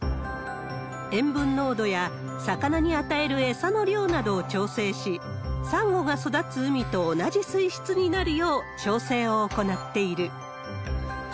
塩分濃度や魚に与える餌の量などを調整し、サンゴが育つ海と同じ水質になるよう調整を行っている。